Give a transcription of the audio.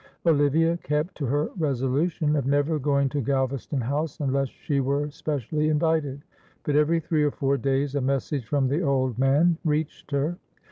Olivia kept to her resolution of never going to Galvaston House unless she were specially invited; but every three or four days a message from the old man reached her.